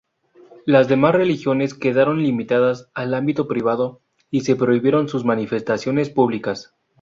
Las demás religiones quedaron limitadas al ámbito privado y se prohibieron sus manifestaciones públicas.